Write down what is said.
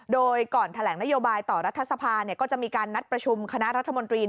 โดยก่อนแถลงนโยบายต่อรัฐสภาก็จะมีการนัดประชุมคณะรัฐมนตรี